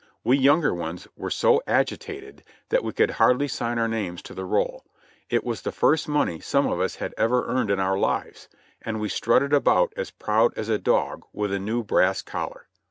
We younger ones were so agitated that we could hardly sign our names to the roll ; it was the first money some of us had ever earned in our lives, and we strutted about as proud as a dog with a new brass collar.